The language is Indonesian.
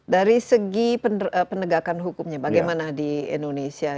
dari segi penegakan hukumnya bagaimana di indonesia